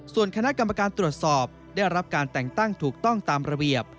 ส่วนคณะกรรมการตรวจสอบได้รับการแต่งตั้งถูกต้องตามระเบียบ